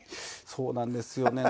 そうなんですよね。